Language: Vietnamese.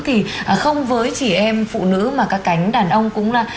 thì không với chỉ em phụ nữ mà các cánh đàn ông cũng là